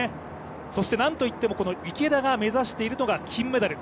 そしてなんといっても、この池田が目指しているのが金メダル。